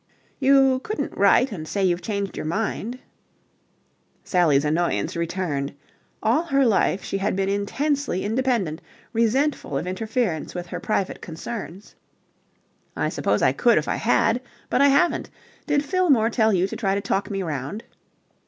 "You couldn't write and say you've changed your mind?" Sally's annoyance returned. All her life she had been intensely independent, resentful of interference with her private concerns. "I suppose I could if I had but I haven't. Did Fillmore tell you to try to talk me round?"